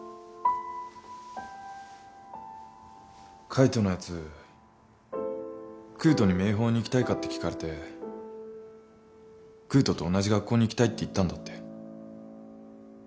海斗のやつ空斗に明峰に行きたいかって聞かれて空斗と同じ学校に行きたいって言ったんだって。